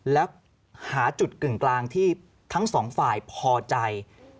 แล้วหาจุดกึ่งกลางที่ทั้งสองฝ่ายพอใจ